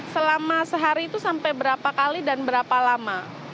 selama sehari itu sampai berapa kali dan berapa lama